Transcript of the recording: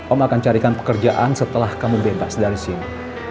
om akan carikan pekerjaan setelah kamu bebas dari sini